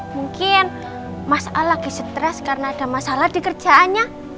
mungkin mas a lagi stres karena ada masalah di kerjaannya